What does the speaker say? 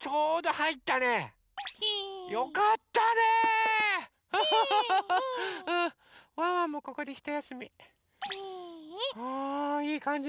はあいいかんじ